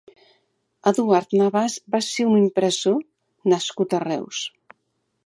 Eduard Navàs va ser un impressor nascut a Reus.